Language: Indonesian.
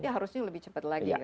harusnya lebih cepat lagi